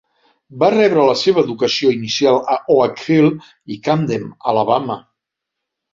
Va rebre la seva educació inicial a Oak Hill i Camden, Alabama.